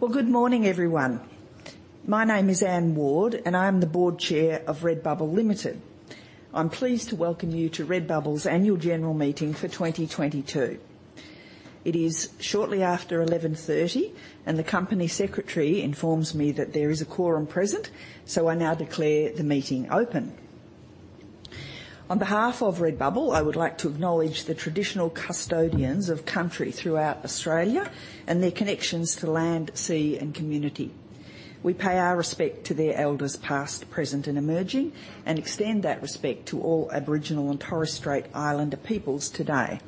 Well, good morning, everyone. My name is Anne Ward, and I am the Board Chair of Redbubble Limited. I'm pleased to welcome you to Redbubble's annual general meeting for 2022. It is shortly after 11:30 A.M., and the company secretary informs me that there is a quorum present, so I now declare the meeting open. On behalf of Redbubble, I would like to acknowledge the traditional custodians of country throughout Australia and their connections to land, sea, and community. We pay our respect to their elders past, present, and emerging, and extend that respect to all Aboriginal and Torres Strait Islander peoples today.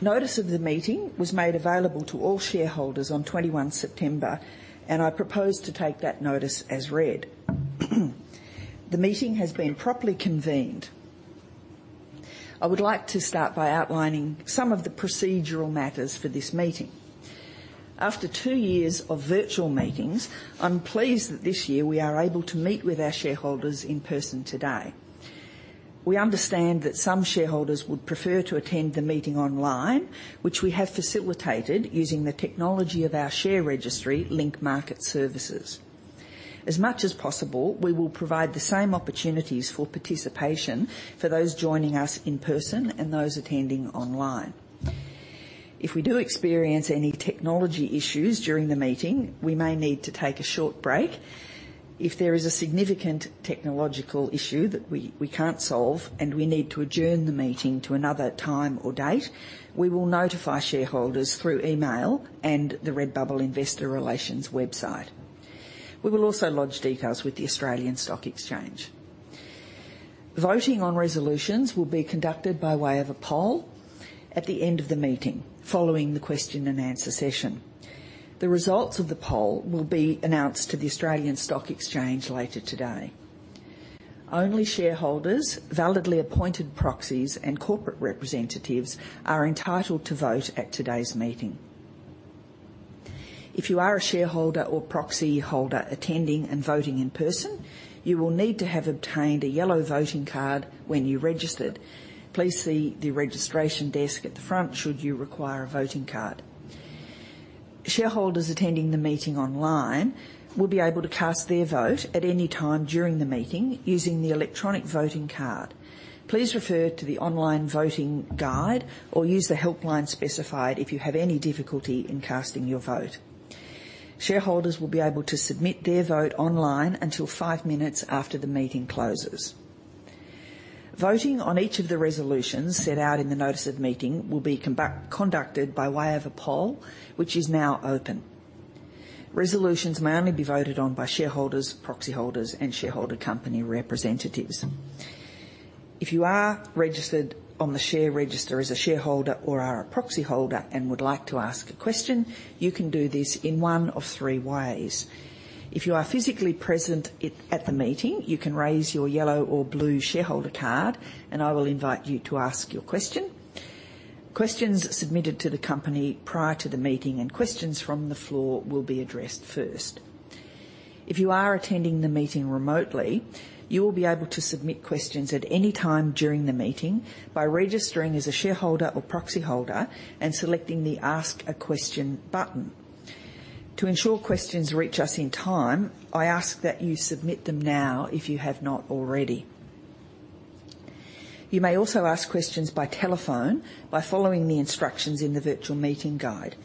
Notice of the meeting was made available to all shareholders on September 21, and I propose to take that notice as read. The meeting has been properly convened. I would like to start by outlining some of the procedural matters for this meeting. After two years of virtual meetings, I'm pleased that this year we are able to meet with our shareholders in person today. We understand that some shareholders would prefer to attend the meeting online, which we have facilitated using the technology of our share registry Link Market Services. As much as possible, we will provide the same opportunities for participation for those joining us in person and those attending online. If we do experience any technology issues during the meeting, we may need to take a short break. If there is a significant technological issue that we can't solve and we need to adjourn the meeting to another time or date, we will notify shareholders through email and the Redbubble investor relations website. We will also lodge details with the Australian Stock Exchange. Voting on resolutions will be conducted by way of a poll at the end of the meeting following the question-and-answer session. The results of the poll will be announced to the Australian Stock Exchange later today. Only shareholders, validly appointed proxies, and corporate representatives are entitled to vote at today's meeting. If you are a shareholder or proxyholder attending and voting in person, you will need to have obtained a yellow voting card when you registered. Please see the registration desk at the front should you require a voting card. Shareholders attending the meeting online will be able to cast their vote at any time during the meeting using the electronic voting card. Please refer to the online voting guide or use the helpline specified if you have any difficulty in casting your vote. Shareholders will be able to submit their vote online until five minutes after the meeting closes. Voting on each of the resolutions set out in the notice of the meeting will be conducted by way of a poll, which is now open. Resolutions may only be voted on by shareholders, proxyholders, and shareholder company representatives. If you are registered on the share register as a shareholder or are a proxyholder and would like to ask a question, you can do this in one of three ways. If you are physically present at the meeting, you can raise your yellow or blue shareholder card, and I will invite you to ask your question. Questions submitted to the company prior to the meeting and questions from the floor will be addressed first. If you are attending the meeting remotely, you will be able to submit questions at any time during the meeting by registering as a shareholder or proxyholder and selecting the Ask a Question button. To ensure questions reach us in time, I ask that you submit them now if you have not already. You may also ask questions by telephone by following the instructions in the virtual meeting guide.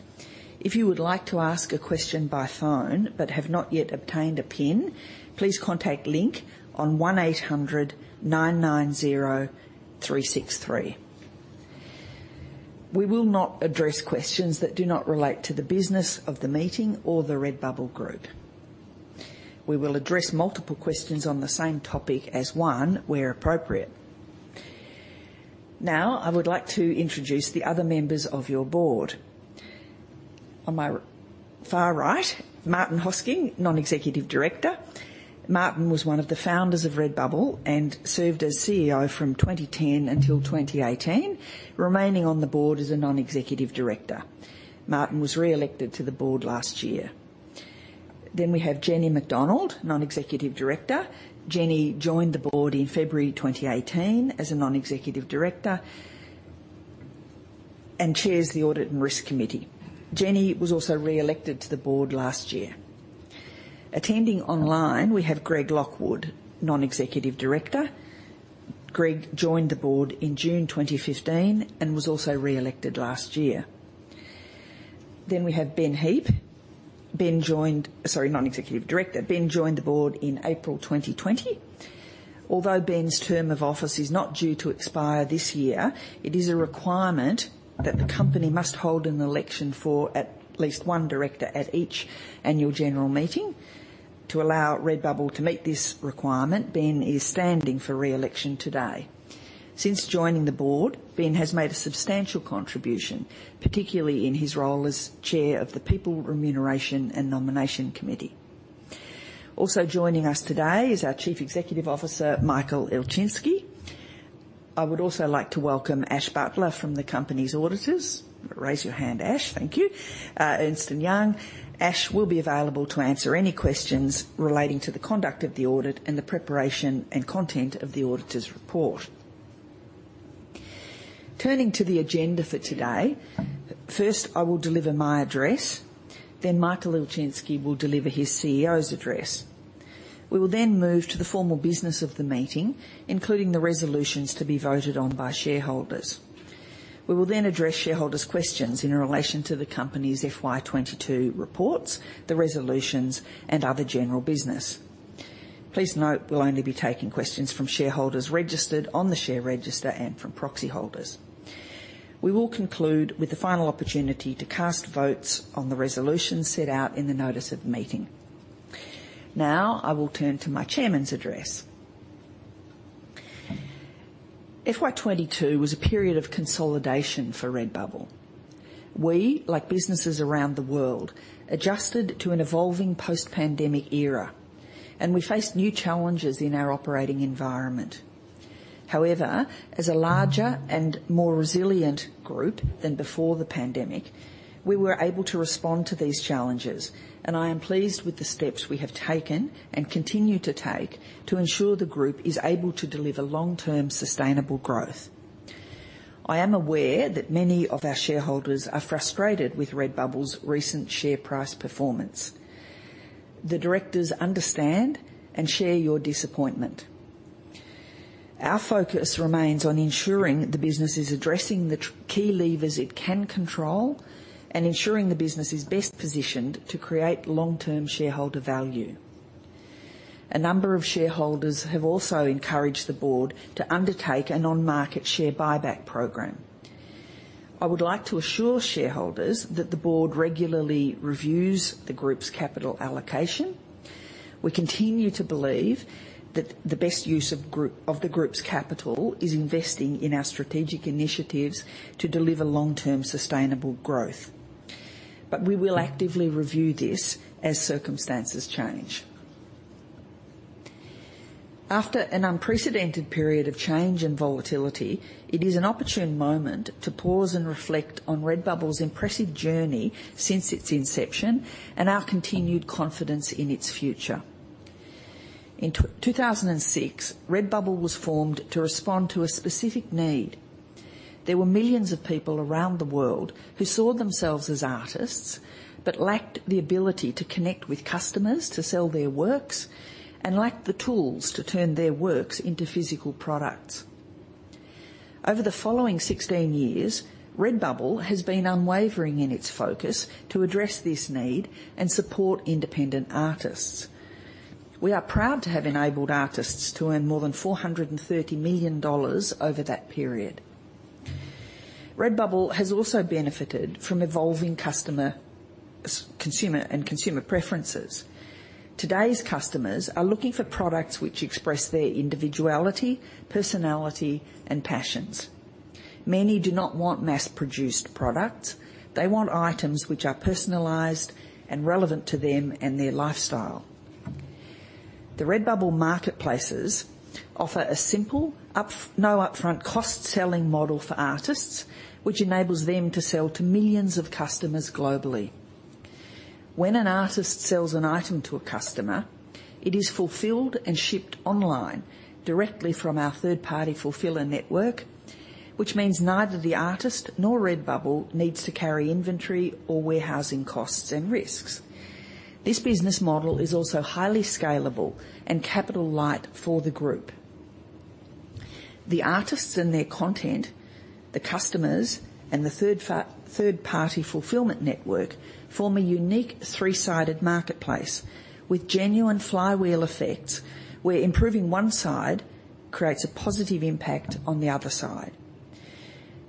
If you would like to ask a question by phone but have not yet obtained a PIN, please contact Link on 1-800-990-363. We will not address questions that do not relate to the business of the meeting or the Redbubble Group. We will address multiple questions on the same topic as one where appropriate. Now, I would like to introduce the other members of your board. On my far right, Martin Hosking, Non-Executive Director. Martin Hosking was one of the founders of Redbubble and served as CEO from 2010 until 2018, remaining on the board as a Non-Executive Director. Martin Hosking was reelected to the board last year. We have Jennifer Macdonald, Non-Executive Director. Jenny joined the board in February 2018 as a Non-Executive Director and chairs the Audit and Risk Committee. Jenny was also reelected to the board last year. Attending online, we have Greg Lockwood, Non-Executive Director. Greg joined the board in June 2015 and was also reelected last year. We have Ben Heap, Non-Executive Director. Ben joined the board in April 2020. Although Ben's term of office is not due to expire this year, it is a requirement that the company must hold an election for at least one director at each annual general meeting. To allow Redbubble to meet this requirement, Ben is standing for reelection today. Since joining the board, Ben has made a substantial contribution, particularly in his role as Chair of the People, Remuneration and Nomination Committee. Also joining us today is our Chief Executive Officer, Michael Ilczynski. I would also like to welcome Ash Butler from the company's auditors. Raise your hand, Ash. Thank you. Ernst & Young. Ash will be available to answer any questions relating to the conduct of the audit and the preparation and content of the auditor's report. Turning to the agenda for today. First, I will deliver my address, then Michael Ilczynski will deliver his CEO's address. We will then move to the formal business of the meeting, including the resolutions to be voted on by shareholders. We will then address shareholders' questions in relation to the company's FY 2022 reports, the resolutions, and other general business. Please note, we'll only be taking questions from shareholders registered on the share register and from proxy holders. We will conclude with the final opportunity to cast votes on the resolutions set out in the notice of meeting. Now, I will turn to my chairman's address. FY 2022 was a period of consolidation for Redbubble. We, like businesses around the world, adjusted to an evolving post-pandemic era, and we face new challenges in our operating environment. However, as a larger and more resilient group than before the pandemic, we were able to respond to these challenges, and I am pleased with the steps we have taken and continue to take to ensure the group is able to deliver long-term sustainable growth. I am aware that many of our shareholders are frustrated with Redbubble's recent share price performance. The directors understand and share your disappointment. Our focus remains on ensuring the business is addressing the key levers it can control and ensuring the business is best positioned to create long-term shareholder value. A number of shareholders have also encouraged the board to undertake an on-market share buyback program. I would like to assure shareholders that the board regularly reviews the group's capital allocation. We continue to believe that the best use of the group's capital is investing in our strategic initiatives to deliver long-term sustainable growth. We will actively review this as circumstances change. After an unprecedented period of change and volatility, it is an opportune moment to pause and reflect on Redbubble's impressive journey since its inception and our continued confidence in its future. In 2006, Redbubble was formed to respond to a specific need. There were millions of people around the world who saw themselves as artists but lacked the ability to connect with customers to sell their works and lacked the tools to turn their works into physical products. Over the following 16 years, Redbubble has been unwavering in its focus to address this need and support independent artists. We are proud to have enabled artists to earn more than 430 million dollars over that period. Redbubble has also benefited from evolving consumer preferences. Today's customers are looking for products which express their individuality, personality, and passions. Many do not want mass-produced products. They want items which are personalized and relevant to them and their lifestyle. The Redbubble marketplaces offer a simple no upfront cost selling model for artists, which enables them to sell to millions of customers globally. When an artist sells an item to a customer, it is fulfilled and shipped online directly from our third-party fulfiller network, which means neither the artist nor Redbubble needs to carry inventory or warehousing costs and risks. This business model is also highly scalable and capital light for the group. The artists and their content, the customers, and the third-party fulfillment network form a unique three-sided marketplace with genuine flywheel effects, where improving one side creates a positive impact on the other side.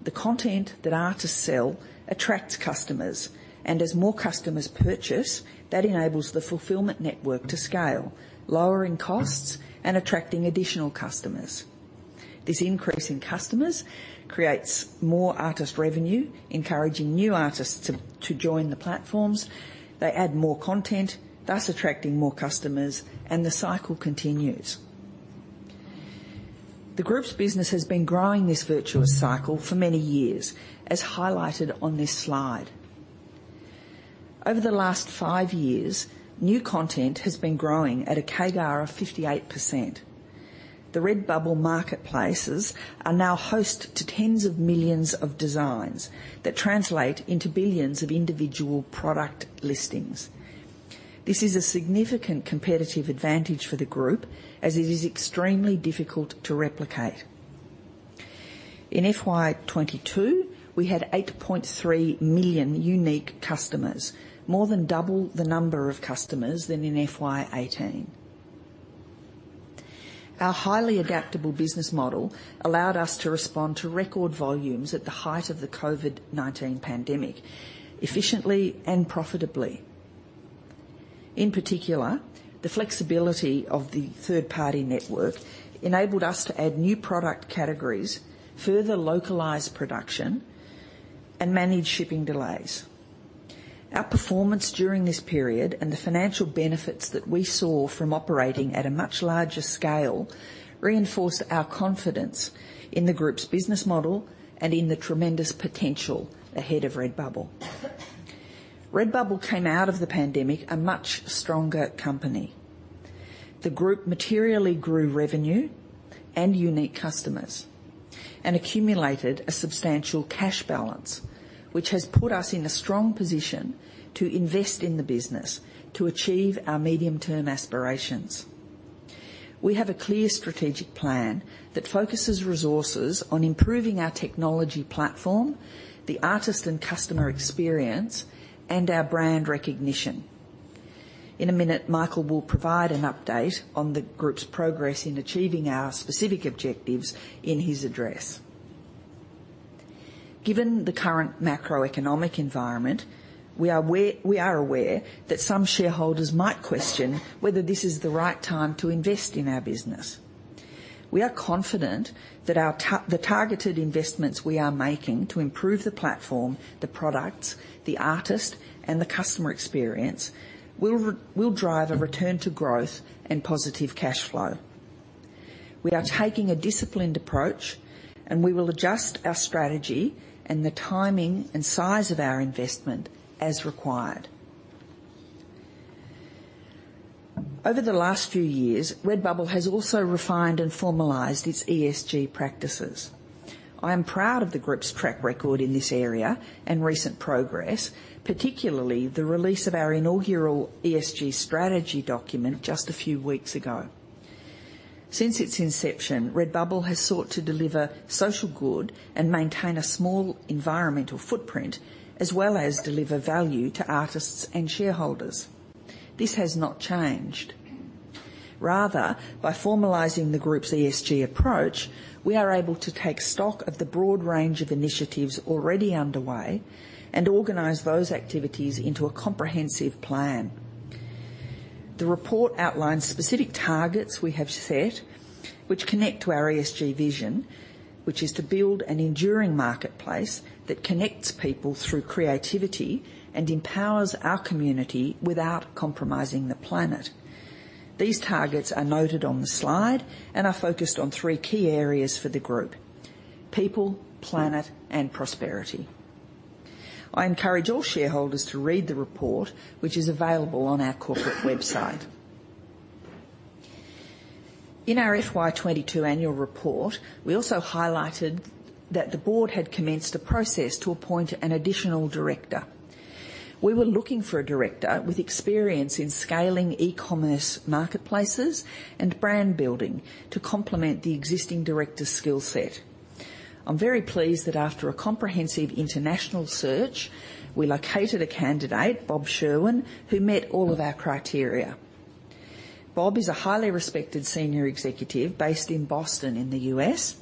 The content that artists sell attracts customers, and as more customers purchase, that enables the fulfillment network to scale, lowering costs and attracting additional customers. This increase in customers creates more artist revenue, encouraging new artists to join the platforms. They add more content, thus attracting more customers, and the cycle continues. The group's business has been growing this virtuous cycle for many years, as highlighted on this slide. Over the last five years, new content has been growing at a CAGR of 58%. The Redbubble marketplaces are now host to tens of millions of designs that translate into billions of individual product listings. This is a significant competitive advantage for the group as it is extremely difficult to replicate. In FY 2022, we had 8.3 million unique customers, more than double the number of customers than in FY 2018. Our highly adaptable business model allowed us to respond to record volumes at the height of the COVID-19 pandemic efficiently and profitably. In particular, the flexibility of the third-party network enabled us to add new product categories, further localize production, and manage shipping delays. Our performance during this period and the financial benefits that we saw from operating at a much larger scale reinforce our confidence in the group's business model and in the tremendous potential ahead of Redbubble. Redbubble came out of the pandemic a much stronger company. The group materially grew revenue and unique customers and accumulated a substantial cash balance, which has put us in a strong position to invest in the business to achieve our medium-term aspirations. We have a clear strategic plan that focuses resources on improving our technology platform, the artist and customer experience, and our brand recognition. In a minute, Michael will provide an update on the group's progress in achieving our specific objectives in his address. Given the current macroeconomic environment, we are aware that some shareholders might question whether this is the right time to invest in our business. We are confident that our targeted investments we are making to improve the platform, the products, the artist, and the customer experience will drive a return to growth and positive cash flow. We are taking a disciplined approach, and we will adjust our strategy and the timing and size of our investment as required. Over the last few years, Redbubble has also refined and formalized its ESG practices. I am proud of the group's track record in this area and recent progress, particularly the release of our inaugural ESG strategy document just a few weeks ago. Since its inception, Redbubble has sought to deliver social good and maintain a small environmental footprint as well as deliver value to artists and shareholders. This has not changed. Rather, by formalizing the group's ESG approach, we are able to take stock of the broad range of initiatives already underway and organize those activities into a comprehensive plan. The report outlines specific targets we have set which connect to our ESG vision, which is to build an enduring marketplace that connects people through creativity and empowers our community without compromising the planet. These targets are noted on the slide and are focused on three key areas for the group. People, planet, and prosperity. I encourage all shareholders to read the report, which is available on our corporate website. In our FY 2022 annual report, we also highlighted that the board had commenced a process to appoint an additional director. We were looking for a director with experience in scaling e-commerce marketplaces and brand building to complement the existing director's skill set. I'm very pleased that after a comprehensive international search, we located a candidate, Bob Sherwin, who met all of our criteria. Bob is a highly respected senior executive based in Boston in the U.S.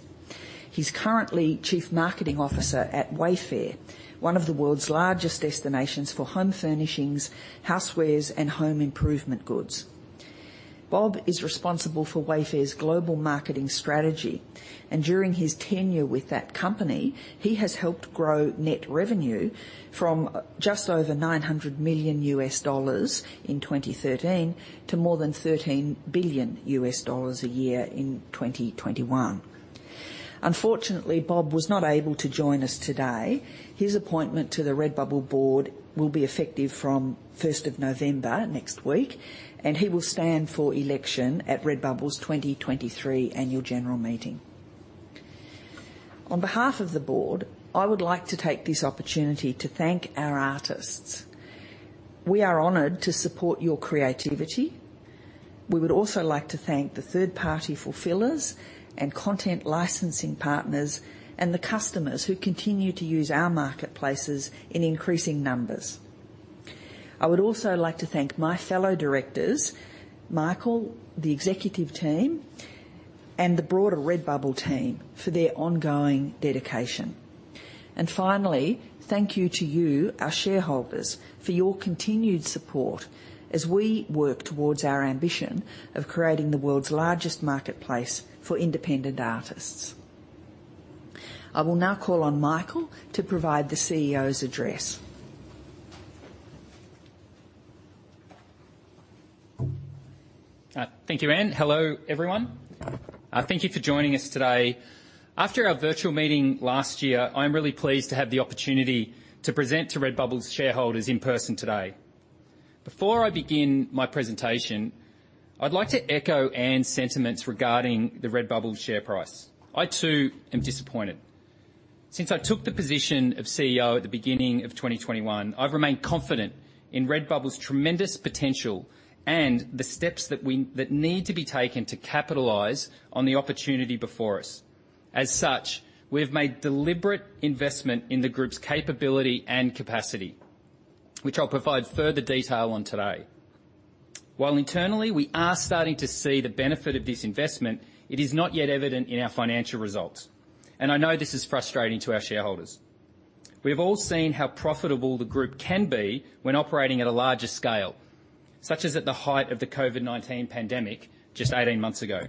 He's currently Chief Marketing Officer at Wayfair, one of the world's largest destinations for home furnishings, housewares, and home improvement goods. Bob is responsible for Wayfair's global marketing strategy, and during his tenure with that company, he has helped grow net revenue from just over $900 million in 2013 to more than $13 billion a year in 2021. Unfortunately, Bob was not able to join us today. His appointment to the Redbubble board will be effective from first of November, next week, and he will stand for election at Redbubble's 2023 annual general meeting. On behalf of the board, I would like to take this opportunity to thank our artists. We are honored to support your creativity. We would also like to thank the third-party fulfillers and content licensing partners and the customers who continue to use our marketplaces in increasing numbers. I would also like to thank my fellow directors, Michael, the executive team, and the broader Redbubble team for their ongoing dedication. Finally, thank you to you, our shareholders, for your continued support as we work towards our ambition of creating the world's largest marketplace for independent artists. I will now call on Michael to provide the CEO's address. Thank you, Anne. Hello, everyone. Thank you for joining us today. After our virtual meeting last year, I'm really pleased to have the opportunity to present to Redbubble's shareholders in person today. Before I begin my presentation, I'd like to echo Anne's sentiments regarding the Redbubble share price. I, too, am disappointed. Since I took the position of CEO at the beginning of 2021, I've remained confident in Redbubble's tremendous potential and the steps that need to be taken to capitalize on the opportunity before us. As such, we have made deliberate investment in the group's capability and capacity, which I'll provide further detail on today. While internally, we are starting to see the benefit of this investment, it is not yet evident in our financial results, and I know this is frustrating to our shareholders. We have all seen how profitable the group can be when operating at a larger scale, such as at the height of the COVID-19 pandemic just 18 months ago.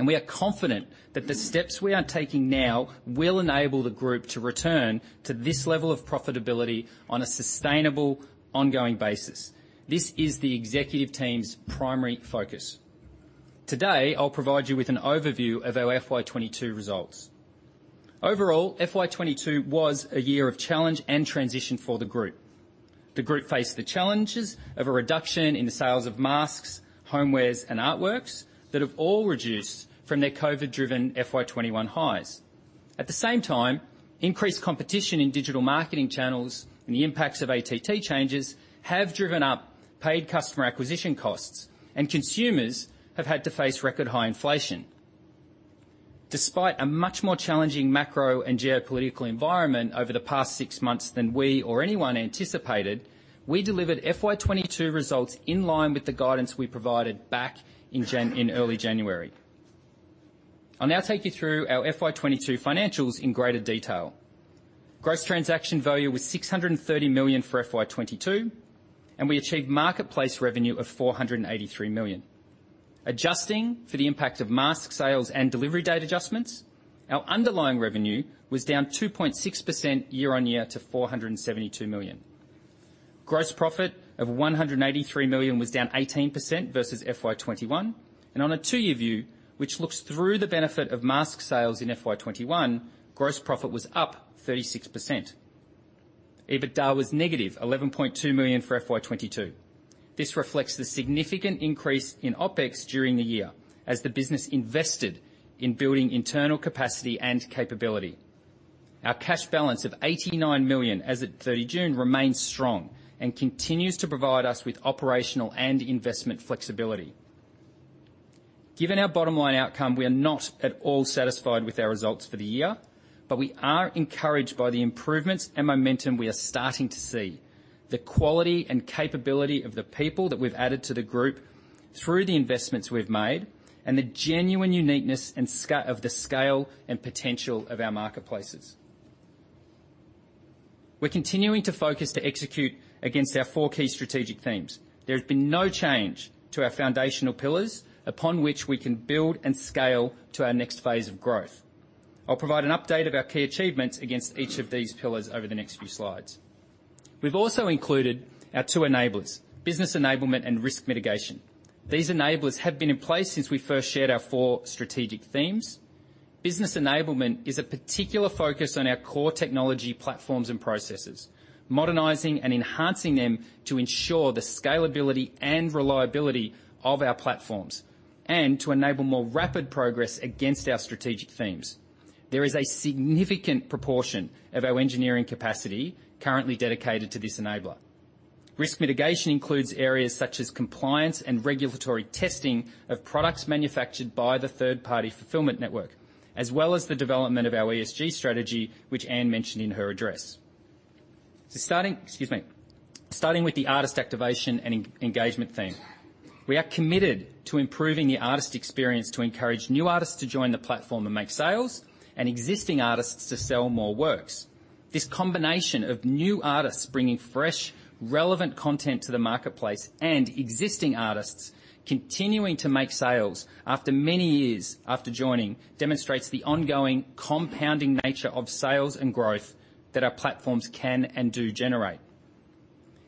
We are confident that the steps we are taking now will enable the group to return to this level of profitability on a sustainable ongoing basis. This is the executive team's primary focus. Today, I'll provide you with an overview of our FY 2022 results. Overall, FY 2022 was a year of challenge and transition for the group. The group faced the challenges of a reduction in the sales of masks, homewares, and artworks that have all reduced from their COVID-driven FY 2021 highs. At the same time, increased competition in digital marketing channels and the impacts of ATT changes have driven up paid customer acquisition costs, and consumers have had to face record high inflation. Despite a much more challenging macro and geopolitical environment over the past six months than we or anyone anticipated, we delivered FY 2022 results in line with the guidance we provided back in early January. I'll now take you through our FY 2022 financials in greater detail. Gross transaction value was 630 million for FY 2022, and we achieved marketplace revenue of 483 million. Adjusting for the impact of mask sales and delivery date adjustments, our underlying revenue was down 2.6% year-on-year to 472 million. Gross profit of 183 million was down 18% versus FY 2021. On a two-year view, which looks through the benefit of mask sales in FY 2021, gross profit was up 36%. EBITDA was negative 11.2 million for FY 2022. This reflects the significant increase in OpEx during the year as the business invested in building internal capacity and capability. Our cash balance of 89 million as at June 30, remains strong and continues to provide us with operational and investment flexibility. Given our bottom line outcome, we are not at all satisfied with our results for the year, but we are encouraged by the improvements and momentum we are starting to see, the quality and capability of the people that we've added to the group through the investments we've made, and the genuine uniqueness and of the scale and potential of our marketplaces. We're continuing to focus to execute against our four key strategic themes. There has been no change to our foundational pillars upon which we can build and scale to our next phase of growth. I'll provide an update of our key achievements against each of these pillars over the next few slides. We've also included our two enablers, business enablement and risk mitigation. These enablers have been in place since we first shared our four strategic themes. Business enablement is a particular focus on our core technology platforms and processes, modernizing and enhancing them to ensure the scalability and reliability of our platforms and to enable more rapid progress against our strategic themes. There is a significant proportion of our engineering capacity currently dedicated to this enabler. Risk mitigation includes areas such as compliance and regulatory testing of products manufactured by the third-party fulfillment network, as well as the development of our ESG strategy, which Anne mentioned in her address. Starting with the artist activation and engagement theme, we are committed to improving the artist experience to encourage new artists to join the platform and make sales and existing artists to sell more works. This combination of new artists bringing fresh, relevant content to the marketplace and existing artists continuing to make sales after many years after joining, demonstrates the ongoing compounding nature of sales and growth that our platforms can and do generate.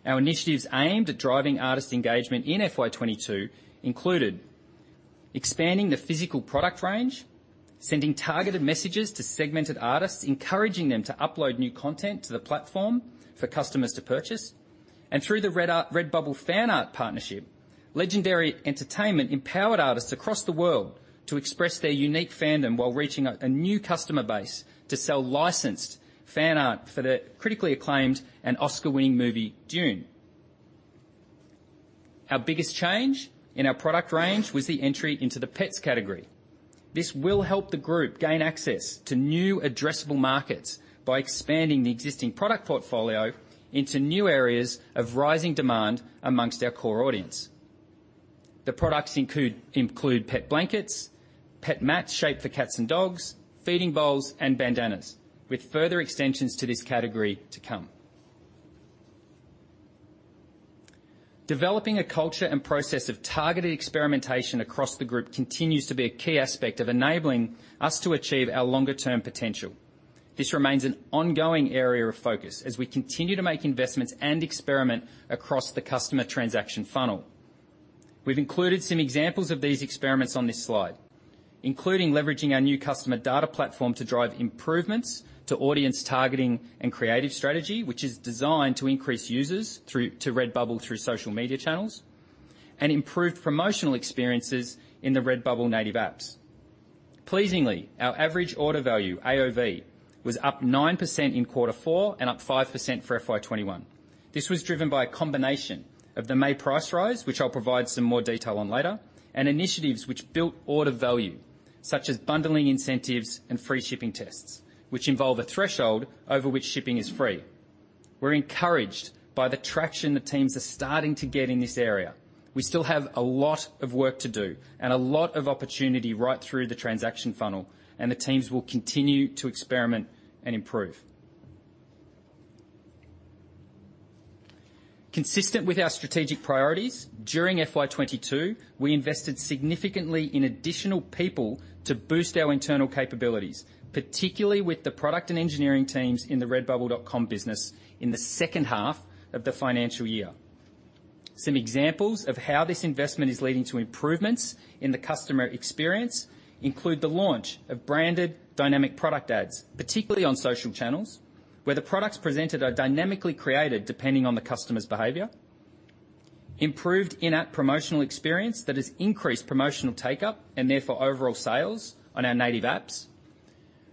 Our initiatives aimed at driving artist engagement in FY 2022 included expanding the physical product range, sending targeted messages to segmented artists, encouraging them to upload new content to the platform for customers to purchase. Through the Redbubble Fan Art partnership, Legendary Entertainment empowered artists across the world to express their unique fandom while reaching a new customer base to sell licensed fan art for the critically acclaimed and Oscar-winning movie Dune. Our biggest change in our product range was the entry into the pets category. This will help the group gain access to new addressable markets by expanding the existing product portfolio into new areas of rising demand among our core audience. The products include pet blankets, pet mats shaped for cats and dogs, feeding bowls, and bandanas, with further extensions to this category to come. Developing a culture and process of targeted experimentation across the group continues to be a key aspect of enabling us to achieve our longer-term potential. This remains an ongoing area of focus as we continue to make investments and experiment across the customer transaction funnel. We've included some examples of these experiments on this slide, including leveraging our new customer data platform to drive improvements to audience targeting and creative strategy, which is designed to increase users through to Redbubble through social media channels, and improved promotional experiences in the Redbubble native apps. Pleasingly, our average order value, AOV, was up 9% in quarter four and up 5% for FY 2021. This was driven by a combination of the May price rise, which I'll provide some more detail on later, and initiatives which built order value, such as bundling incentives and free shipping tests, which involve a threshold over which shipping is free. We're encouraged by the traction the teams are starting to get in this area. We still have a lot of work to do and a lot of opportunity right through the transaction funnel, and the teams will continue to experiment and improve. Consistent with our strategic priorities, during FY 2022, we invested significantly in additional people to boost our internal capabilities, particularly with the product and engineering teams in the Redbubble.com business in the second half of the financial year. Some examples of how this investment is leading to improvements in the customer experience include the launch of branded dynamic product ads, particularly on social channels, where the products presented are dynamically created depending on the customer's behavior. Improved in-app promotional experience that has increased promotional take-up and therefore overall sales on our native apps.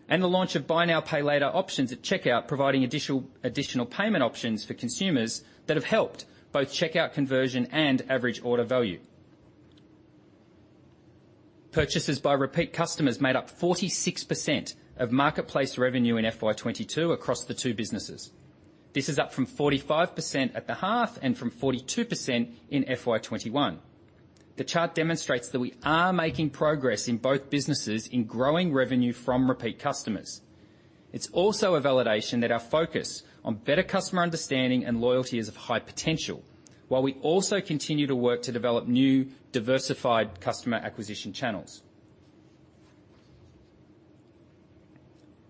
The launch of buy now, pay later options at checkout, providing additional payment options for consumers that have helped both checkout conversion and average order value. Purchases by repeat customers made up 46% of marketplace revenue in FY 2022 across the two businesses. This is up from 45% at the half and from 42% in FY 2021. The chart demonstrates that we are making progress in both businesses in growing revenue from repeat customers. It's also a validation that our focus on better customer understanding and loyalty is of high potential, while we also continue to work to develop new diversified customer acquisition channels.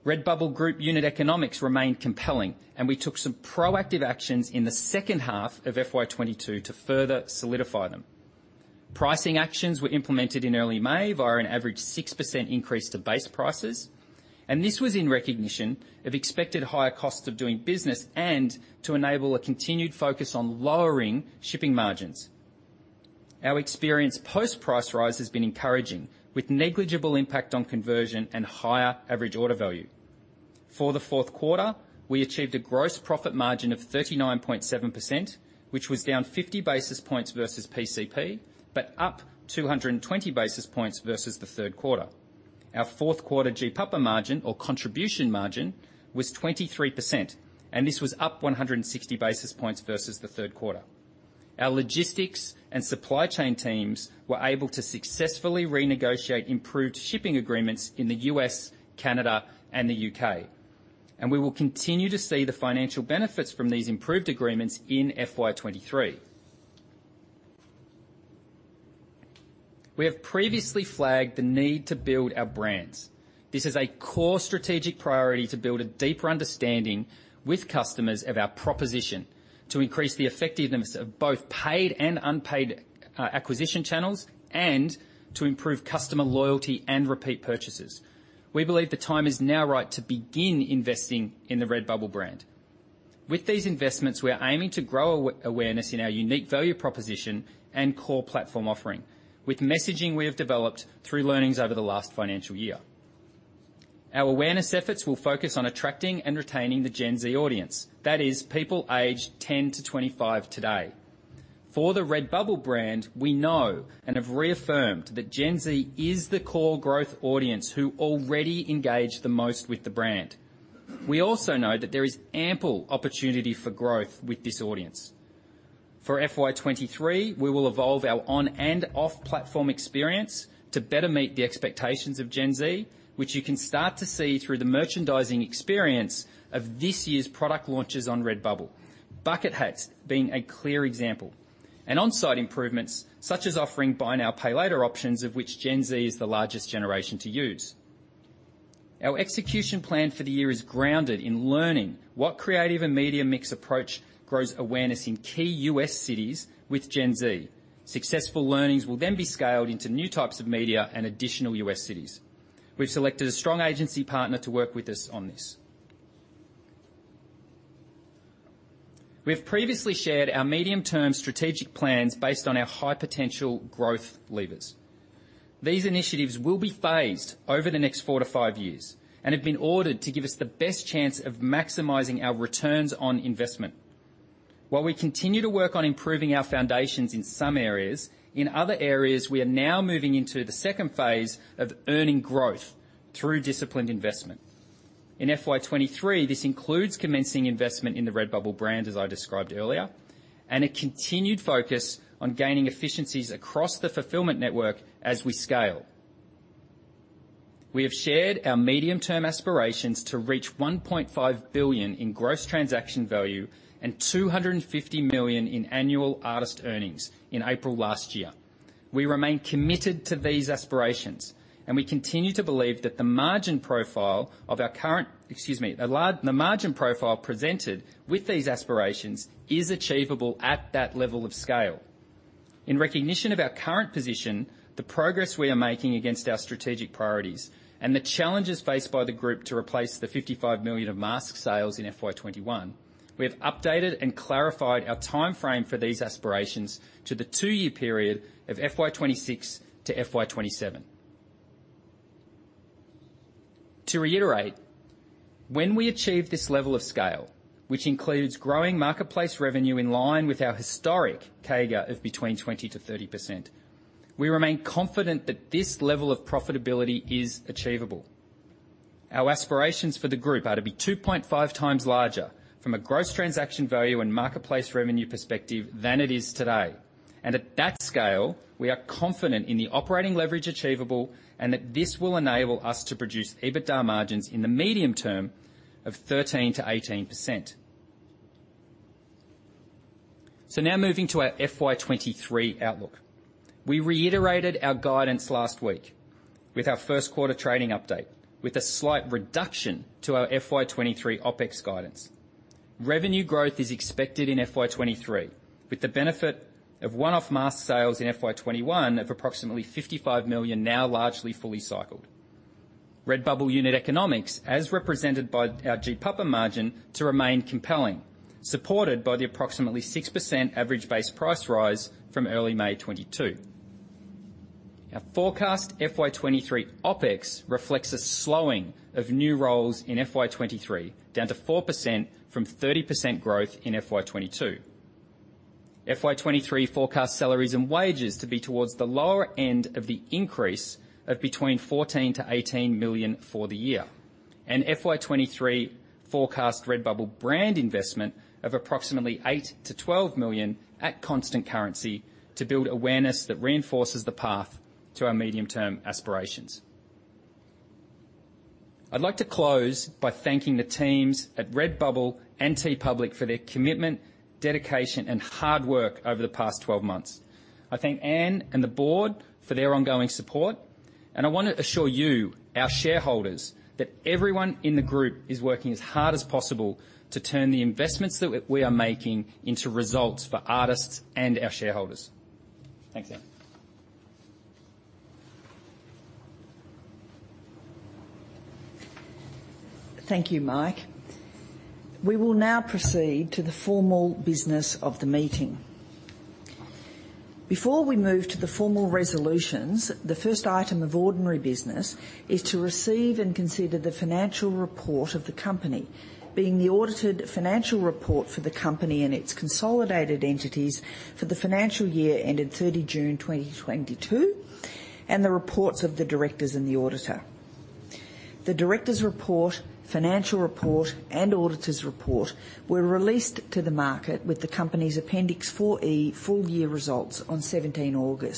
Redbubble Group unit economics remain compelling, and we took some proactive actions in the second half of FY 2022 to further solidify them. Pricing actions were implemented in early May via an average 6% increase to base prices, and this was in recognition of expected higher costs of doing business and to enable a continued focus on lowering shipping margins. Our experience post-price rise has been encouraging, with negligible impact on conversion and higher average order value. For the fourth quarter, we achieved a gross profit margin of 39.7%, which was down 50 basis points versus PCP, but up 220 basis points versus the third quarter. Our fourth quarter GPAPA margin or contribution margin was 23%, and this was up 160 basis points versus the third quarter. Our logistics and supply chain teams were able to successfully renegotiate improved shipping agreements in the U.S., Canada, and the U.K. We will continue to see the financial benefits from these improved agreements in FY 2023. We have previously flagged the need to build our brands. This is a core strategic priority to build a deeper understanding with customers of our proposition to increase the effectiveness of both paid and unpaid acquisition channels and to improve customer loyalty and repeat purchases. We believe the time is now right to begin investing in the Redbubble brand. With these investments, we are aiming to grow awareness in our unique value proposition and core platform offering with messaging we have developed through learnings over the last financial year. Our awareness efforts will focus on attracting and retaining the Gen Z audience. That is people aged 10 years-25 years today. For the Redbubble brand, we know and have reaffirmed that Gen Z is the core growth audience who already engage the most with the brand. We also know that there is ample opportunity for growth with this audience. For FY 2023, we will evolve our on and off platform experience to better meet the expectations of Gen Z, which you can start to see through the merchandising experience of this year's product launches on Redbubble. Bucket hats being a clear example. On-site improvements, such as offering buy now, pay later options of which Gen Z is the largest generation to use. Our execution plan for the year is grounded in learning what creative and media mix approach grows awareness in key U.S. cities with Gen Z. Successful learnings will then be scaled into new types of media and additional U.S. cities. We've selected a strong agency partner to work with us on this. We have previously shared our medium-term strategic plans based on our high-potential growth levers. These initiatives will be phased over the next four to five years and have been ordered to give us the best chance of maximizing our returns on investment. While we continue to work on improving our foundations in some areas, in other areas, we are now moving into the second phase of earning growth through disciplined investment. In FY 2023, this includes commencing investment in the Redbubble brand, as I described earlier, and a continued focus on gaining efficiencies across the fulfillment network as we scale. We have shared our medium-term aspirations to reach AUD 1.5 billion in gross transaction value and AUD 250 million in annual artist earnings in April last year. We remain committed to these aspirations, and we continue to believe that the margin profile presented with these aspirations is achievable at that level of scale. In recognition of our current position, the progress we are making against our strategic priorities, and the challenges faced by the group to replace the 55 million of mask sales in FY 2021, we have updated and clarified our timeframe for these aspirations to the two-year period of FY 2026 to FY 2027. To reiterate, when we achieve this level of scale, which includes growing marketplace revenue in line with our historic CAGR of between 20%-30%, we remain confident that this level of profitability is achievable. Our aspirations for the group are to be 2.5x larger from a gross transaction value and marketplace revenue perspective than it is today. At that scale, we are confident in the operating leverage achievable and that this will enable us to produce EBITDA margins in the medium-term of 13%-18%. Now moving to our FY 2023 outlook. We reiterated our guidance last week with our first quarter trading update, with a slight reduction to our FY 2023 OpEx guidance. Revenue growth is expected in FY 2023, with the benefit of one-off mask sales in FY 2021 of approximately 55 million now largely fully cycled. Redbubble unit economics, as represented by our GPAPA margin to remain compelling, supported by the approximately 6% average base price rise from early May 2022. Our forecast FY 2023 OpEx reflects a slowing of new roles in FY 2023, down to 4% from 30% growth in FY 2022. FY 2023 forecast salaries and wages to be towards the lower end of the increase of between 14 million-18 million for the year. FY 2023 forecast Redbubble brand investment of approximately 8 million-12 million at constant currency to build awareness that reinforces the path to our medium-term aspirations. I'd like to close by thanking the teams at Redbubble and TeePublic for their commitment, dedication, and hard work over the past 12 months. I thank Anne and the board for their ongoing support, and I wanna assure you, our shareholders, that everyone in the group is working as hard as possible to turn the investments that we are making into results for artists and our shareholders. Thanks, Anne. Thank you, Mike. We will now proceed to the formal business of the meeting. Before we move to the formal resolutions, the first item of ordinary business is to receive and consider the financial report of the company, being the audited financial report for the company and its consolidated entities for the financial year ended June 30, 2022, and the reports of the directors and the auditor. The directors' report, financial report, and auditors' report were released to the market with the company's Appendix 4E full year results on August 17.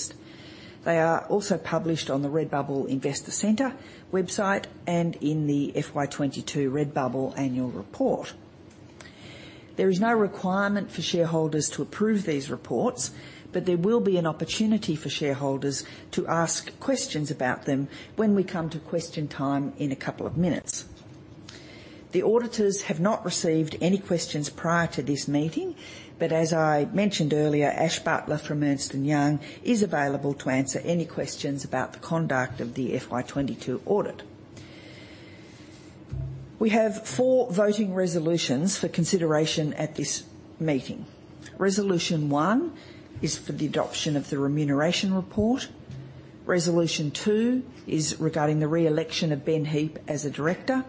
They are also published on the Redbubble Investor Center website and in the FY 2022 Redbubble annual report. There is no requirement for shareholders to approve these reports, but there will be an opportunity for shareholders to ask questions about them when we come to question time in a couple of minutes. The auditors have not received any questions prior to this meeting, but as I mentioned earlier, Ash Butler from Ernst & Young is available to answer any questions about the conduct of the FY 2022 audit. We have four voting resolutions for consideration at this meeting. Resolution one is for the adoption of the remuneration report. Resolution two is regarding the re-election of Ben Heap as a director.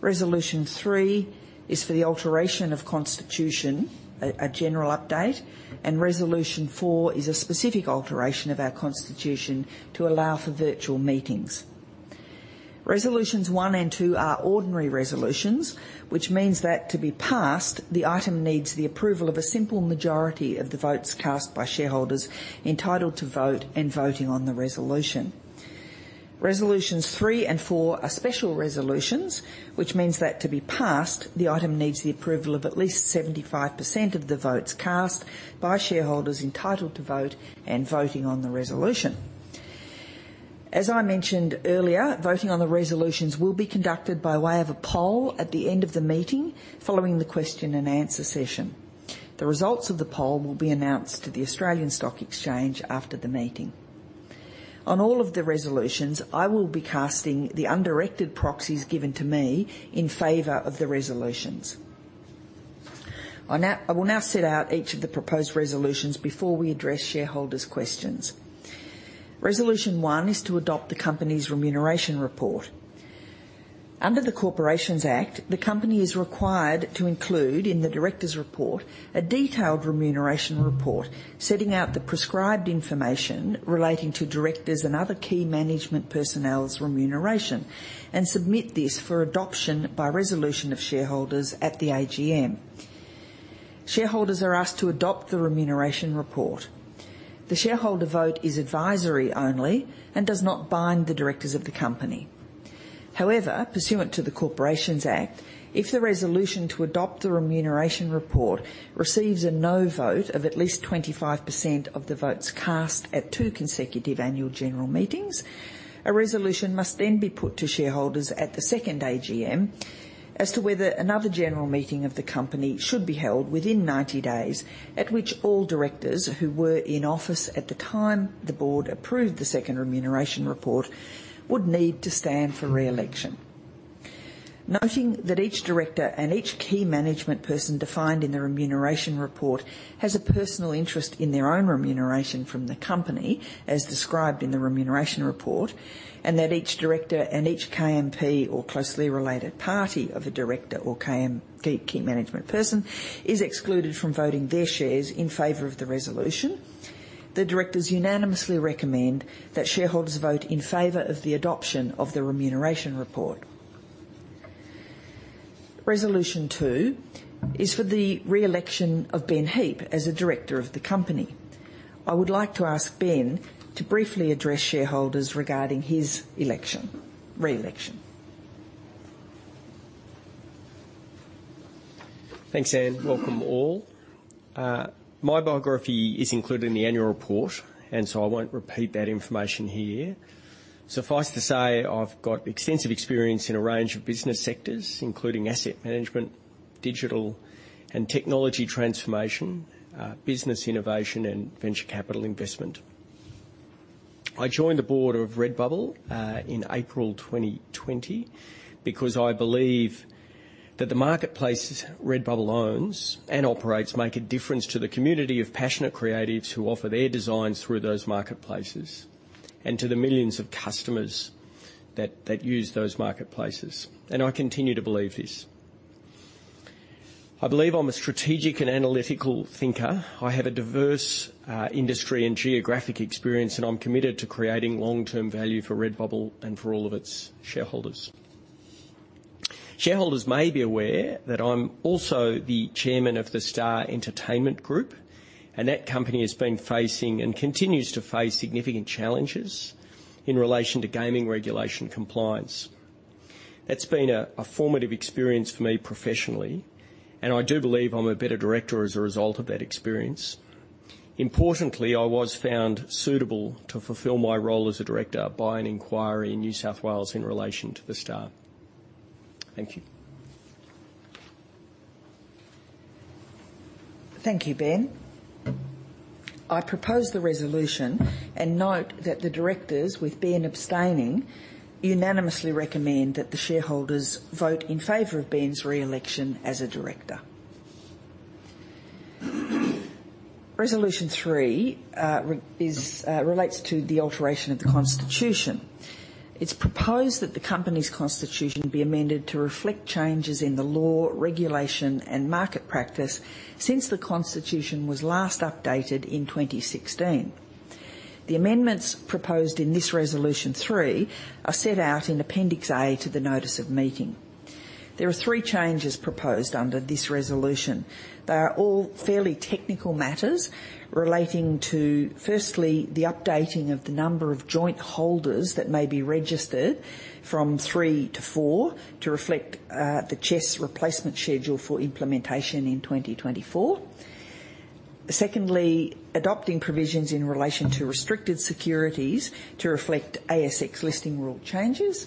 Resolution three is for the alteration of constitution, a general update. Resolution four is a specific alteration of our constitution to allow for virtual meetings. Resolutions one and two are ordinary resolutions, which means that to be passed, the item needs the approval of a simple majority of the votes cast by shareholders entitled to vote and voting on the resolution. Resolutions three and four are special resolutions, which means that to be passed, the item needs the approval of at least 75% of the votes cast by shareholders entitled to vote and voting on the resolution. As I mentioned earlier, voting on the resolutions will be conducted by way of a poll at the end of the meeting, following the question-and-answer session. The results of the poll will be announced to the Australian Stock Exchange after the meeting. On all of the resolutions, I will be casting the undirected proxies given to me in favor of the resolutions. I will now set out each of the proposed resolutions before we address shareholders' questions. Resolution one is to adopt the company's remuneration report. Under the Corporations Act, the company is required to include in the directors' report a detailed remuneration report setting out the prescribed information relating to directors and other key management personnel's remuneration and submit this for adoption by resolution of shareholders at the AGM. Shareholders are asked to adopt the remuneration report. The shareholder vote is advisory only and does not bind the directors of the company. However, pursuant to the Corporations Act, if the resolution to adopt the remuneration report receives a no vote of at least 25% of the votes cast at two consecutive annual general meetings, a resolution must then be put to shareholders at the second AGM as to whether another general meeting of the company should be held within 90 days, at which all directors who were in office at the time the board approved the second remuneration report would need to stand for re-election. Noting that each director and each key management person defined in the remuneration report has a personal interest in their own remuneration from the company, as described in the remuneration report, and that each director and each KMP or closely related party of a director or KMP is excluded from voting their shares in favor of the resolution. The directors unanimously recommend that shareholders vote in favor of the adoption of the remuneration report. Resolution two is for the re-election of Ben Heap as a director of the company. I would like to ask Ben to briefly address shareholders regarding his re-election. Thanks, Anne. Welcome all. My biography is included in the annual report, and so I won't repeat that information here. Suffice to say, I've got extensive experience in a range of business sectors, including asset management, digital and technology transformation, business innovation, and venture capital investment. I joined the board of Redbubble in April 2020 because I believe that the marketplaces Redbubble owns and operates make a difference to the community of passionate creatives who offer their designs through those marketplaces and to the millions of customers that use those marketplaces. I continue to believe this. I believe I'm a strategic and analytical thinker. I have a diverse industry and geographic experience, and I'm committed to creating long-term value for Redbubble and for all of its shareholders. Shareholders may be aware that I'm also the chairman of the Star Entertainment Group, and that company has been facing and continues to face significant challenges in relation to gaming regulation compliance. That's been a formative experience for me professionally, and I do believe I'm a better director as a result of that experience. Importantly, I was found suitable to fulfill my role as a director by an inquiry in New South Wales in relation to The Star. Thank you. Thank you, Ben. I propose the resolution and note that the directors, with Ben abstaining, unanimously recommend that the shareholders vote in favor of Ben's re-election as a director. Resolution three relates to the alteration of the constitution. It's proposed that the company's constitution be amended to reflect changes in the law, regulation, and market practice since the constitution was last updated in 2016. The amendments proposed in this resolution three are set out in Appendix A to the notice of meeting. There are three changes proposed under this resolution. They are all fairly technical matters relating to, firstly, the updating of the number of joint holders that may be registered from three to four to reflect the CHESS replacement schedule for implementation in 2024. Secondly, adopting provisions in relation to restricted securities to reflect ASX listing rule changes.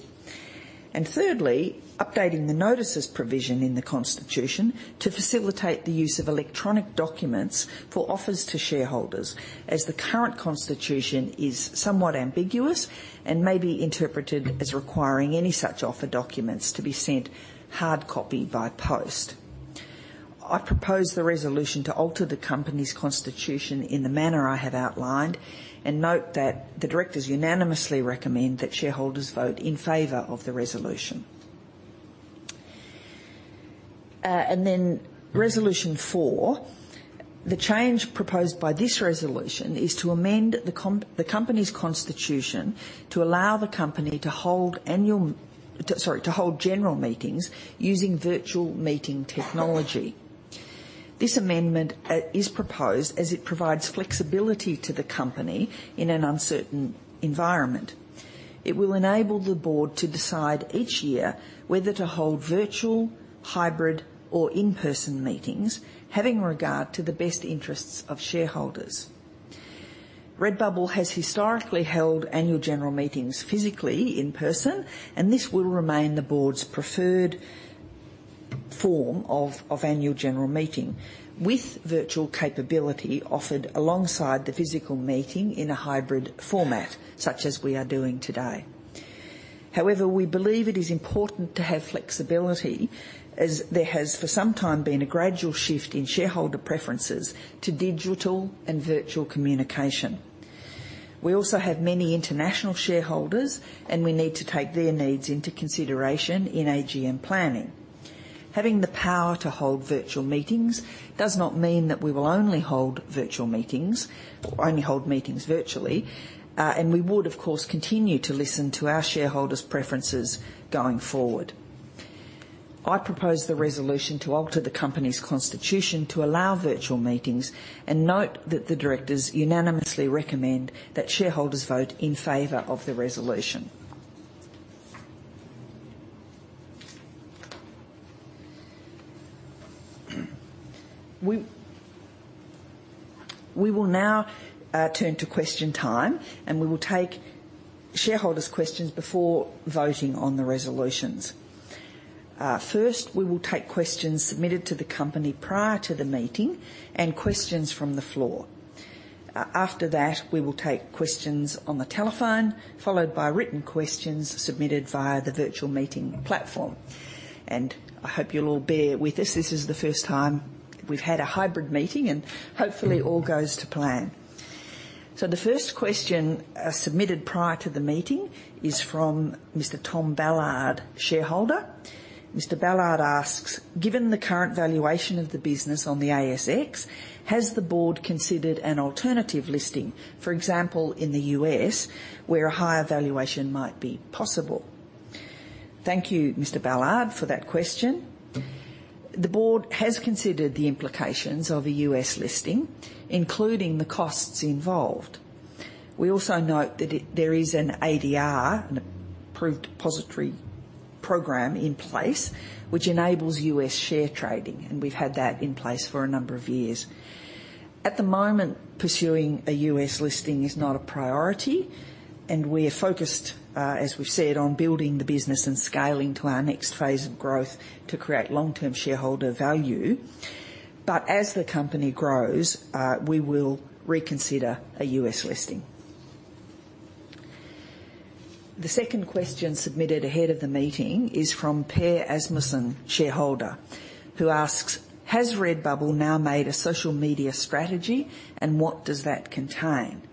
Thirdly, updating the notices provision in the constitution to facilitate the use of electronic documents for offers to shareholders, as the current constitution is somewhat ambiguous and may be interpreted as requiring any such offer documents to be sent hard copy by post. I propose the resolution to alter the company's constitution in the manner I have outlined and note that the directors unanimously recommend that shareholders vote in favor of the resolution. Resolution four. The change proposed by this resolution is to amend the company's constitution to allow the company to hold general meetings using virtual meeting technology. This amendment is proposed as it provides flexibility to the company in an uncertain environment. It will enable the board to decide each year whether to hold virtual, hybrid, or in-person meetings, having regard to the best interests of shareholders. Redbubble has historically held annual general meetings physically in person, and this will remain the board's preferred form of annual general meeting, with virtual capability offered alongside the physical meeting in a hybrid format, such as we are doing today. However, we believe it is important to have flexibility as there has for some time been a gradual shift in shareholder preferences to digital and virtual communication. We also have many international shareholders, and we need to take their needs into consideration in AGM planning. Having the power to hold virtual meetings does not mean that we will only hold virtual meetings or only hold meetings virtually. We would, of course, continue to listen to our shareholders' preferences going forward. I propose the resolution to alter the company's constitution to allow virtual meetings, and note that the directors unanimously recommend that shareholders vote in favor of the resolution. We will now turn to question time, and we will take shareholders' questions before voting on the resolutions. First, we will take questions submitted to the company prior to the meeting and questions from the floor. After that, we will take questions on the telephone, followed by written questions submitted via the virtual meeting platform. I hope you'll all bear with us. This is the first time we've had a hybrid meeting, and hopefully all goes to plan. The first question submitted prior to the meeting is from Mr. Tom Ballard, shareholder. Mr. Ballard asks, "Given the current valuation of the business on the ASX, has the board considered an alternative listing, for example, in the U.S., where a higher valuation might be possible?" Thank you, Mr. Ballard, for that question. The board has considered the implications of a U.S. listing, including the costs involved. We also note that there is an ADR, an approved depository program in place, which enables U.S. Share trading, and we've had that in place for a number of years. At the moment, pursuing a U.S. listing is not a priority, and we're focused, as we've said, on building the business and scaling to our next phase of growth to create long-term shareholder value. As the company grows, we will reconsider a U.S. listing. The second question submitted ahead of the meeting is from Per Asmussen, shareholder, who asks, "Has Redbubble now made a social media strategy, and what does that contain?"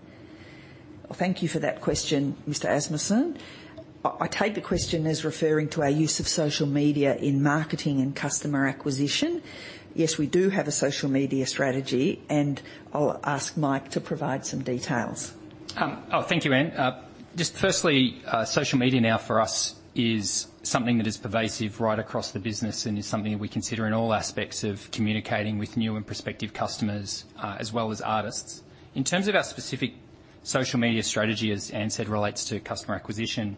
Well, thank you for that question, Mr. Asmussen. I take the question as referring to our use of social media in marketing and customer acquisition. Yes, we do have a social media strategy, and I'll ask Mike to provide some details. Thank you, Anne. Just firstly, social media now for us is something that is pervasive right across the business and is something we consider in all aspects of communicating with new and prospective customers, as well as artists. In terms of our specific social media strategy, as Anne said, relates to customer acquisition,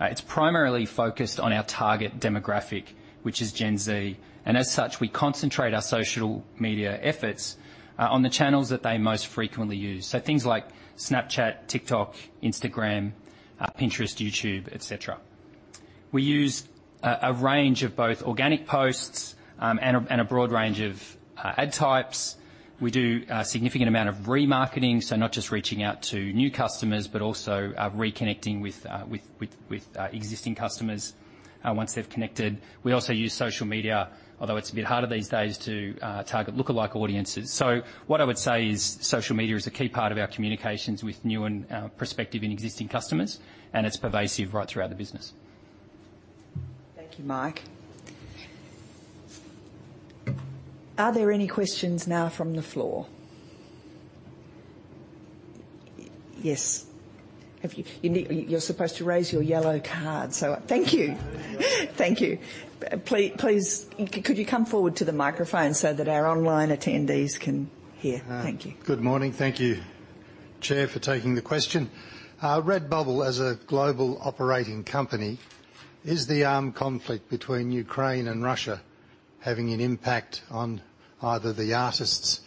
it's primarily focused on our target demographic, which is Gen Z. As such, we concentrate our social media efforts on the channels that they most frequently use. Things like Snapchat, TikTok, Instagram, Pinterest, YouTube, etc. We use a range of both organic posts and a broad range of ad types. We do a significant amount of remarketing, so not just reaching out to new customers, but also reconnecting with existing customers once they've connected. We also use social media, although it's a bit harder these days, to target look-alike audiences. What I would say is social media is a key part of our communications with new and prospective and existing customers, and it's pervasive right throughout the business. Thank you, Mike. Are there any questions now from the floor? Yes. You're supposed to raise your yellow card. Thank you. Please, could you come forward to the microphone so that our online attendees can hear? Thank you. Good morning. Thank you, Chair, for taking the question. Redbubble as a global operating company, is the armed conflict between Ukraine and Russia having an impact on either the artists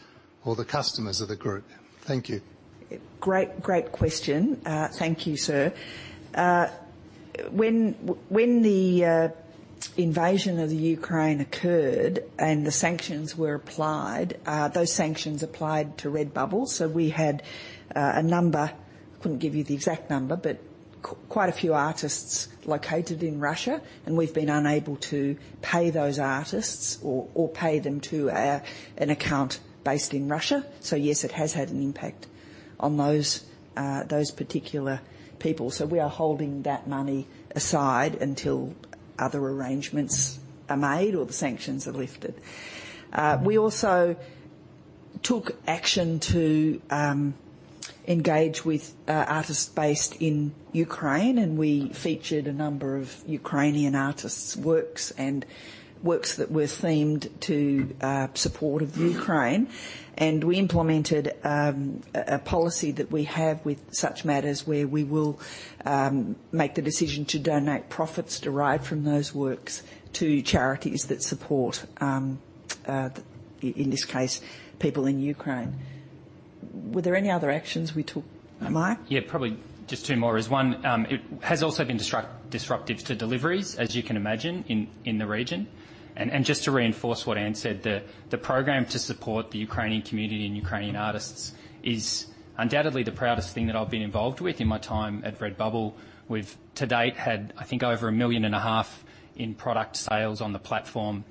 or the customers of the group? Thank you. Great question. Thank you, sir. When the invasion of the Ukraine occurred and the sanctions were applied, those sanctions applied to Redbubble. We had a number, couldn't give you the exact number, but quite a few artists located in Russia, and we've been unable to pay those artists or pay them to an account based in Russia. Yes, it has had an impact on those particular people. We are holding that money aside until other arrangements are made or the sanctions are lifted. We also took action to engage with artists based in Ukraine, and we featured a number of Ukrainian artists' works and works that were themed to support of Ukraine. We implemented a policy that we have with such matters where we will make the decision to donate profits derived from those works to charities that support in this case, people in Ukraine. Were there any other actions we took, Mike? Yeah. Probably just two more. It's one, it has also been disruptive to deliveries, as you can imagine, in the region. Just to reinforce what Anne said, the program to support the Ukrainian community and Ukrainian artists is undoubtedly the proudest thing that I've been involved with in my time at Redbubble. We've to date had, I think, over 1.5 million in product sales on the platform.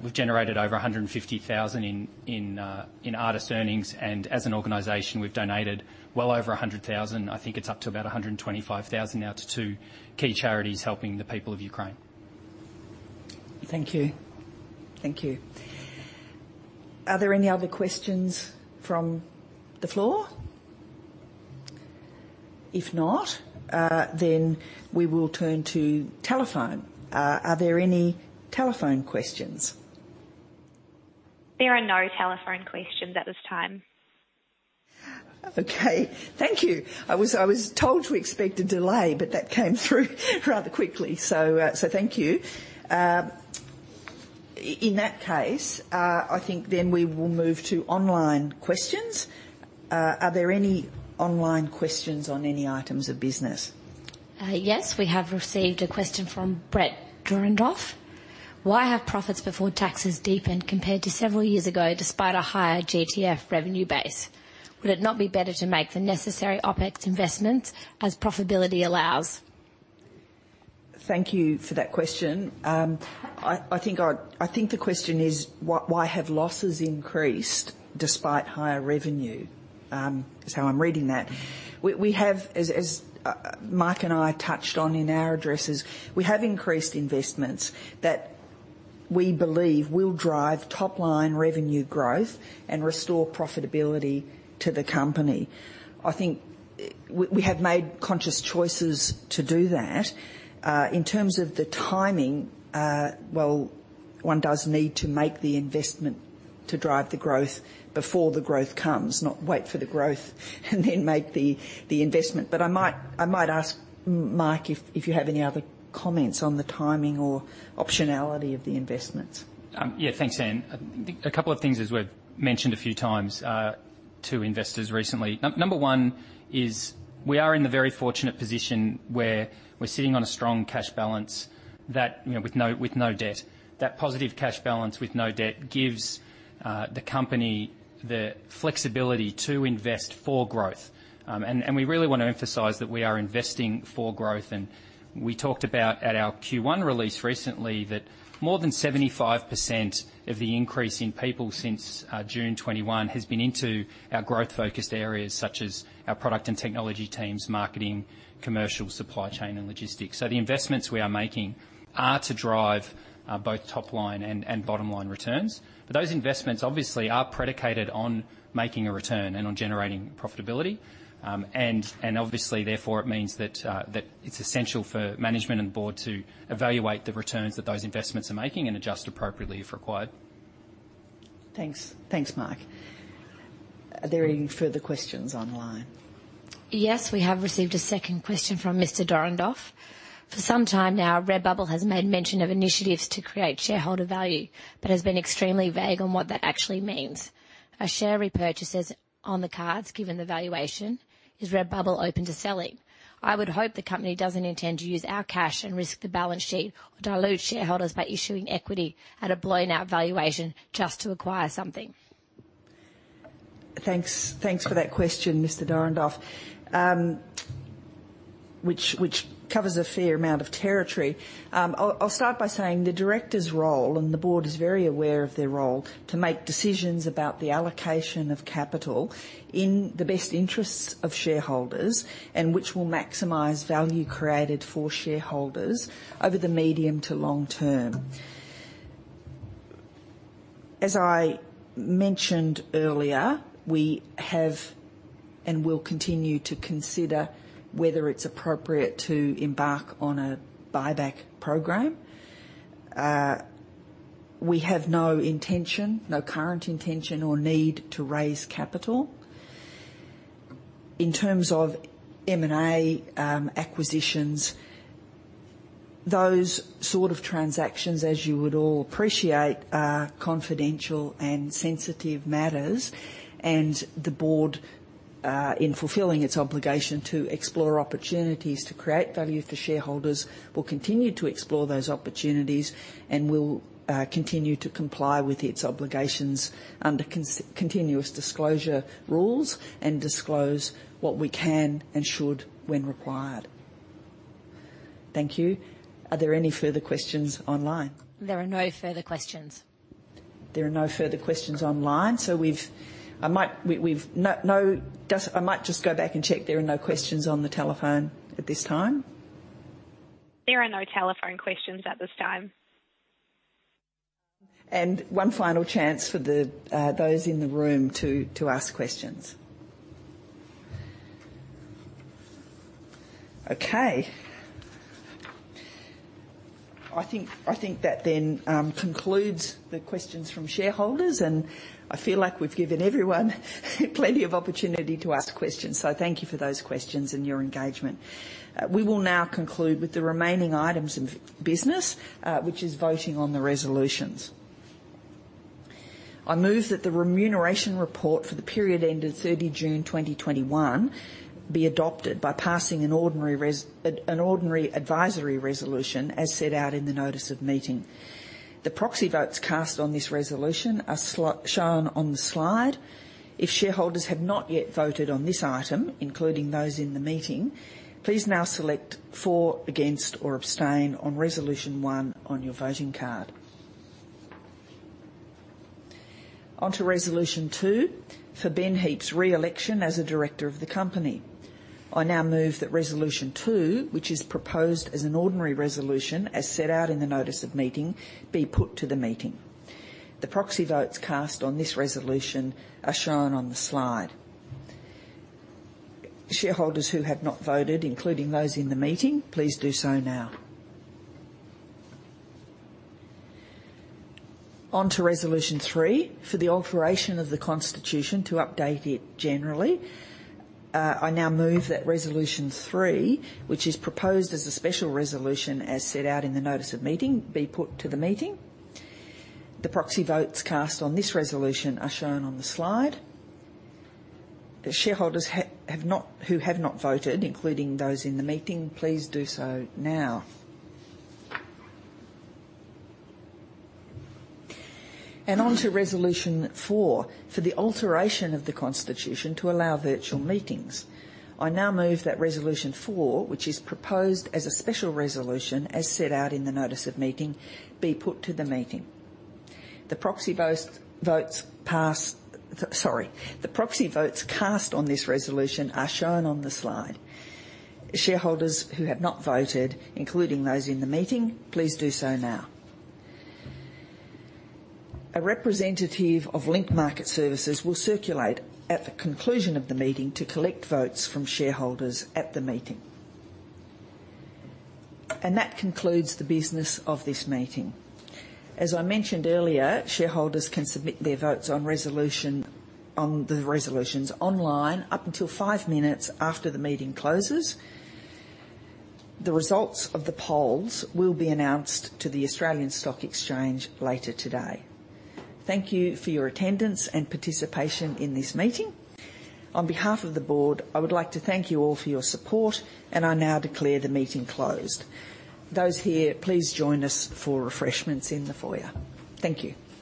We've generated over 150,000 in artist earnings, and as an organization, we've donated well over 100,000. I think it's up to about 125,000 now to two key charities helping the people of Ukraine. Thank you. Are there any other questions from the floor? If not, then we will turn to telephone. Are there any telephone questions? There are no telephone questions at this time. Okay. Thank you. I was told to expect a delay, but that came through rather quickly. Thank you. In that case, I think then we will move to online questions. Are there any online questions on any items of business? Yes. We have received a question from [Brett Dorindorf], why have profits before taxes deepened compared to several years ago, despite a higher GTV revenue base? Would it not be better to make the necessary OpEx investments as profitability allows? Thank you for that question. I think the question is why have losses increased despite higher revenue? That's how I'm reading that. As Michael and I touched on in our addresses, we have increased investments that we believe will drive top-line revenue growth and restore profitability to the company. I think we have made conscious choices to do that. In terms of the timing, one does need to make the investment to drive the growth before the growth comes, not wait for the growth and then make the investment. I might ask Mike if you have any other comments on the timing or optionality of the investments. Yeah. Thanks, Anne. A couple of things we've mentioned a few times to investors recently. Number one is we are in the very fortunate position where we're sitting on a strong cash balance that, you know, with no debt. That positive cash balance with no debt gives the company the flexibility to invest for growth. We really want to emphasize that we are investing for growth. We talked about at our Q1 release recently that more than 75% of the increase in people since June 2021 has been into our growth-focused areas such as our product and technology teams, marketing, commercial, supply chain, and logistics. The investments we are making are to drive both top line and bottom line returns. Those investments obviously are predicated on making a return and on generating profitability. Obviously, therefore, it means that it's essential for management and board to evaluate the returns that those investments are making and adjust appropriately if required. Thanks. Thanks, Mark. Are there any further questions online? Yes. We have received a second question from [Mr. Dorindorf]. For some time now, Redbubble has made mention of initiatives to create shareholder value but has been extremely vague on what that actually means. Are share repurchases on the cards given the valuation? Is Redbubble open to selling? I would hope the company doesn't intend to use our cash and risk the balance sheet or dilute shareholders by issuing equity at a blown-out valuation just to acquire something. Thanks. Thanks for that question, Mr. Dorandoff, which covers a fair amount of territory. I'll start by saying the director's role, and the board is very aware of their role, to make decisions about the allocation of capital in the best interests of shareholders and which will maximize value created for shareholders over the medium to long-term. As I mentioned earlier, we have and will continue to consider whether it's appropriate to embark on a buyback program. We have no intention, no current intention or need to raise capital. In terms of M&A, acquisitions, those sort of transactions, as you would all appreciate, are confidential and sensitive matters, and the board, in fulfilling its obligation to explore opportunities to create value for shareholders, will continue to explore those opportunities and will continue to comply with its obligations under continuous disclosure rules and disclose what we can and should when required. Thank you. Are there any further questions online? There are no further questions. There are no further questions online, so I might just go back and check there are no questions on the telephone at this time. There are no telephone questions at this time. One final chance for the those in the room to ask questions. Okay. I think that then concludes the questions from shareholders, and I feel like we've given everyone plenty of opportunity to ask questions, so thank you for those questions and your engagement. We will now conclude with the remaining items of business, which is voting on the resolutions. I move that the remuneration report for the period ending June 30, 2021 be adopted by passing an ordinary advisory resolution as set out in the notice of meeting. The proxy votes cast on this resolution are shown on the slide. If shareholders have not yet voted on this item, including those in the meeting, please now select for, against, or abstain on resolution one on your voting card. On to resolution two, for Ben Heap's reelection as a director of the company. I now move that resolution two, which is proposed as an ordinary resolution as set out in the notice of meeting, be put to the meeting. The proxy votes cast on this resolution are shown on the slide. Shareholders who have not voted, including those in the meeting, please do so now. On to resolution three, for the alteration of the constitution to update it generally. I now move that resolution three, which is proposed as a special resolution as set out in the notice of meeting, be put to the meeting. The proxy votes cast on this resolution are shown on the slide. The shareholders who have not voted, including those in the meeting, please do so now. Onto resolution four, for the alteration of the constitution to allow virtual meetings. I now move that resolution four, which is proposed as a special resolution as set out in the notice of meeting, be put to the meeting. The proxy votes cast on this resolution are shown on the slide. Shareholders who have not voted, including those in the meeting, please do so now. A representative of Link Market Services will circulate at the conclusion of the meeting to collect votes from shareholders at the meeting. That concludes the business of this meeting. As I mentioned earlier, shareholders can submit their votes on the resolutions online up until five minutes after the meeting closes. The results of the polls will be announced to the Australian Stock Exchange later today. Thank you for your attendance and participation in this meeting. On behalf of the board, I would like to thank you all for your support, and I now declare the meeting closed. Those here, please join us for refreshments in the foyer. Thank you.